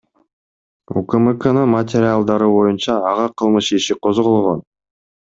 УКМКнын материалдары боюнча ага кылмыш иши козголгон.